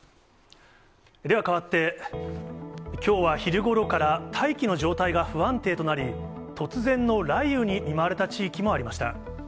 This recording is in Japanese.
では変わって、きょうは昼頃から大気の状態が不安定となり、突然の雷雨に見舞われた地域もありました。